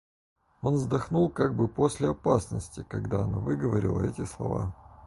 Он вздохнул как бы после опасности, когда она выговорила эти слова.